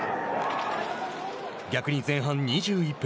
逆に前半２１分。